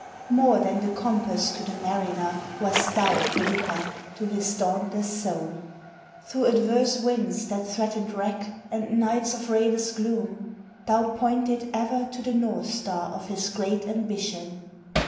MORE than the compass to the mariner, Wast thou, Felipa, to his dauntless soul. Through adverse winds that threatened wreck, and nights Of rayless gloom, thou pointed ever to The North Star of his great ambition.